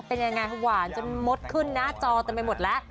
เป็นยังไงหวานจนมดขึ้นหน้าจอเต็มไปหมดแล้ว